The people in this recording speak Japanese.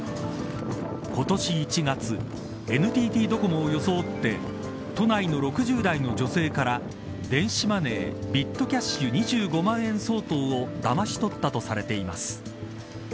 今年１月ＮＴＴドコモを装って都内の６０代の女性から電子マネー、ビットキャッシュ２５万円相当をだまし取ったとされています。